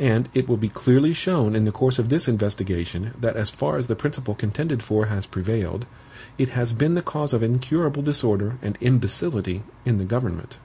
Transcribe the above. And it will be clearly shown in the course of this investigation that as far as the principle contended for has prevailed, it has been the cause of incurable disorder and imbecility in the government.